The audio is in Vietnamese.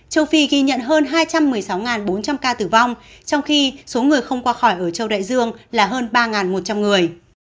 châu phi ghi nhận hơn hai trăm một mươi sáu bốn trăm linh ca tử vong trong khi số người không qua khỏi ở châu đại dương là hơn ba một trăm linh người